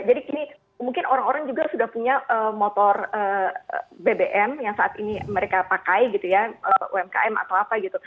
jadi ini mungkin orang orang juga sudah punya motor bbm yang saat ini mereka pakai gitu ya umkm atau apa gitu